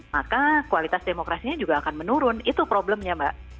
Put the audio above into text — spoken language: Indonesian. maka kualitas demokrasinya juga akan menurun itu problemnya mbak